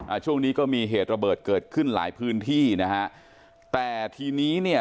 ช่วงนี้ก็มีเหตุระเบิดเกิดขึ้นหลายพื้นที่นะฮะแต่ทีนี้เนี่ย